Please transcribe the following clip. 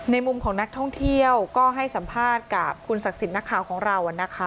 มุมของนักท่องเที่ยวก็ให้สัมภาษณ์กับคุณศักดิ์สิทธิ์นักข่าวของเรานะคะ